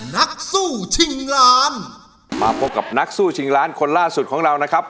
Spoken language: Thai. นักสู้ชิงล้านมาพบกับนักสู้ชิงล้านคนล่าสุดของเรานะครับ